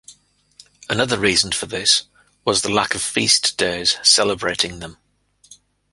Another reason for this was the lack of feast-days celebrating them.